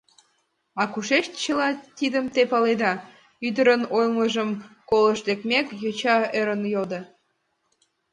— А кушеч чыла тидым те паледа? — ӱдырын ойлымыжым колышт лекмек, йоча ӧрын йодо.